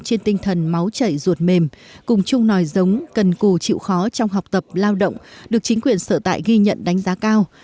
trên tinh thần máu chảy ruột mềm cùng chung nòi giống cần cù chịu khó trong học tập lao động được chính quyền sở tại ghi nhận đánh giá cao